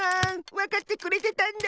わかってくれてたんだ！